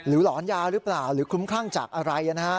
หลอนยาหรือเปล่าหรือคุ้มคลั่งจากอะไรนะฮะ